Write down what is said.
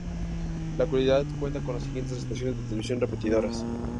La ciudad cuenta con las siguientes estaciones de televisión repetidoras.